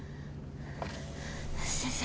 先生